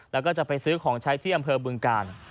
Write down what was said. แล้วก็จะไปซื้อของใช้ที่อำเภอบึงกาล